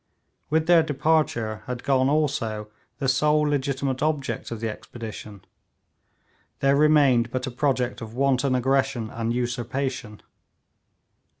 With their departure had gone, also, the sole legitimate object of the expedition; there remained but a project of wanton aggression and usurpation.